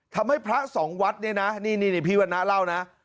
ทำให้พระสองวัดนี่นะนี่พี่วันน้าเล่านะ